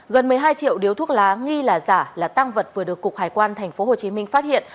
gần một mươi hai triệu điếu thuốc lá nghi là giả là tăng vật vừa được cục hải quan tp hcm phát hiện